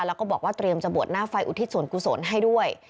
แล้วก็บอกว่าเตรียมจะบวชหน้าไฟอุทิศส่วนกุศลให้ด้วย